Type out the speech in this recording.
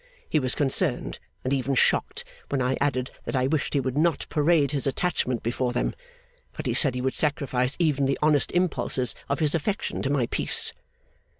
He was concerned and even shocked, when I added that I wished he would not parade his attachment before them; but he said he would sacrifice even the honest impulses of his affection to my peace.